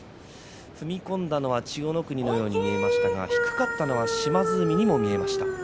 踏み込んだのは千代の国のように見えましたが低かったのは島津海にも見えました。